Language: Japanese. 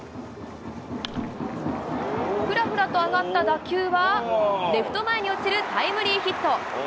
ふらふらと上がった打球は、レフト前に落ちるタイムリーヒット。